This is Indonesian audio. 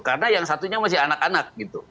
karena yang satunya masih anak anak gitu